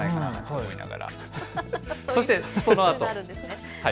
そしてそのあと。